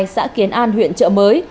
xã kiến an huyện chợ mới